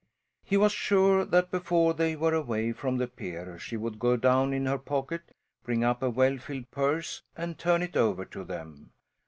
He was sure that before they were away from the pier she would go down in her pocket, bring up a well filled purse, and turn it over to them.